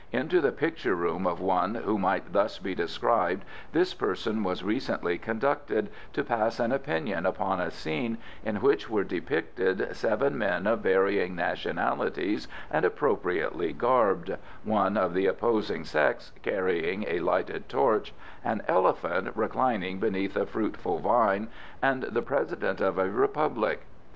Into the picture room of one who might thus be described this person was recently conducted, to pass an opinion upon a scene in which were depicted seven men of varying nationalities and appropriately garbed, one of the opposing sex carrying a lighted torch, an elephant reclining beneath a fruitful vine, and the President of a Republic.